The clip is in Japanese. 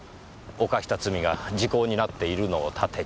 犯した罪が時効になっているのを盾に。